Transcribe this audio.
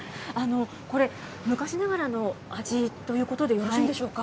これ、昔ながらの味ということでよろしいんでしょうか。